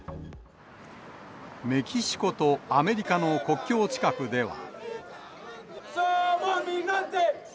メキシコとアメリカの国境近くでは。